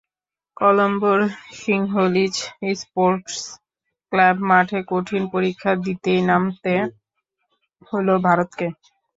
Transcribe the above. কলম্বোর Sinhalese sports club মাঠে কঠিন পরীক্ষা দিতেই নামতে হলো ভারতকে।